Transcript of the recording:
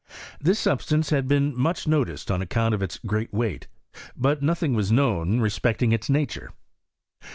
This substance had been much noticed on account of its great weight ; but nothing was known respect ing its nature.